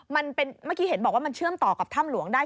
เมื่อกี้เห็นบอกว่ามันเชื่อมต่อกับถ้ำหลวงได้